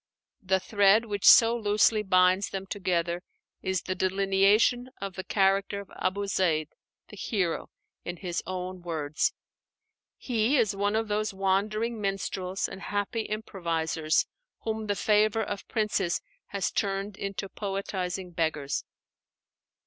The thread which so loosely binds them together is the delineation of the character of Abu Zeid, the hero, in his own words. He is one of those wandering minstrels and happy improvisers whom the favor of princes had turned into poetizing beggars.